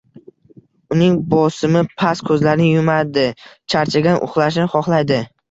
Uning bosimi past, ko`zlarini yumadi, charchagan, uxlashni xohlaydi